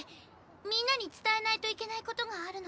みんなに伝えないといけない事があるの。